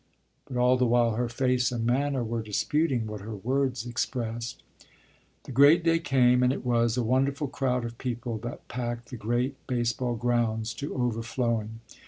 But all the while her face and manner were disputing what her words expressed. The great day came, and it was a wonderful crowd of people that packed the great baseball grounds to overflowing.